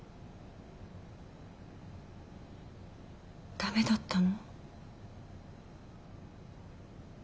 駄目だったの？